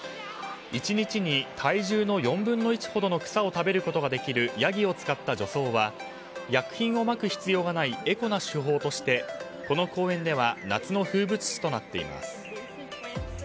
１日に体重の４分の１ほどの草を食べることができるヤギを使った除草は薬品をまく必要がないエコな手法としてこの公園では夏の風物詩となっています。